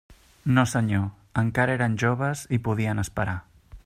No, senyor; encara eren joves i podien esperar.